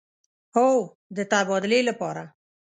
هو، د تبادلې لپاره